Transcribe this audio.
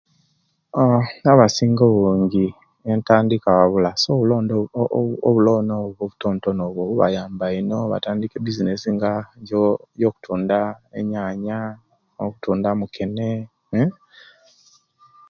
Abasinga obungi entandikwa babula so obuloni obuwo obwo obutontono obwo bubayamba ino okutandika obubizinesi nga okutunda enyaya, okutunda omukene